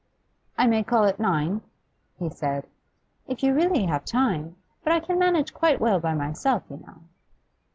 'I may call at nine?' he said. 'If you really have time. But I can manage quite well by myself, you know.